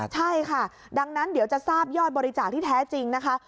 ใช่ค่ะดังนั้นเดี๋ยวจะทราบยอดบริจาคที่แท้จริงนะคะ